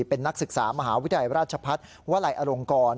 เป็นนักศึกษามหาวิทยาลัยราชพัฒน์วลัยอลงกร